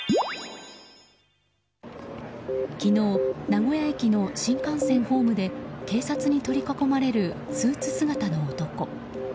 昨日、名古屋駅の新幹線ホームで警察に取り囲まれるスーツ姿の男。